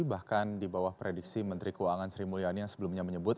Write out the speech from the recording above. bahkan di bawah prediksi menteri keuangan sri mulyani yang sebelumnya menyebut